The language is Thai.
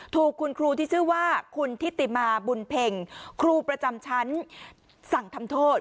ถูกคุณครูที่ชื่อว่าคุณทิติมาบุญเพ็งครูประจำชั้นสั่งทำโทษ